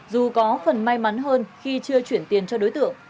dù có phần may mắn hơn khi chưa chuyển tiền cho đối tượng